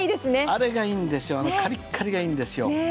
あれがいいんですカリカリがいいんです。